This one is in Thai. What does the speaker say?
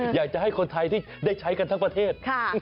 อยากจะให้คนไทยที่ได้ใช้กันทั้งประเทศ